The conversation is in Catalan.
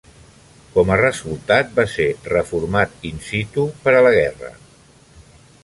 Com a resultat, va ser reformat "in situ" per a la guerra.